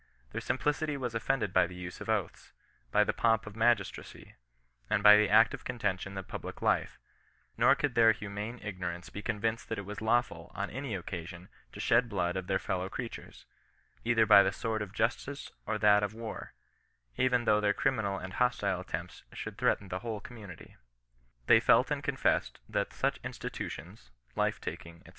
Their simplicity was offended by the use of oaths, by the pomp of magistracy, and by the active contention of public life ; nor could their humane ignorance be con vinced that it was lawful, on any occasion, to shed the blood of their fellow creatures, either by the sword of justice or that of war, even though their criminal and hostile attempts should threaten the whole community." « They felt and confessed that such institutions [life taking, &c.